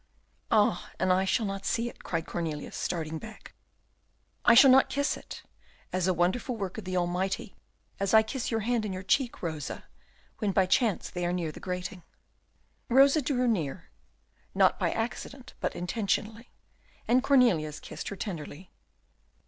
"Ah! and I shall not see it," cried Cornelius, starting back, "I shall not kiss it, as a wonderful work of the Almighty, as I kiss your hand and your cheek, Rosa, when by chance they are near the grating." Rosa drew near, not by accident, but intentionally, and Cornelius kissed her tenderly.